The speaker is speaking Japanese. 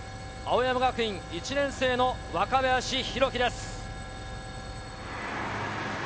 青山学院１年生の若林宏樹です。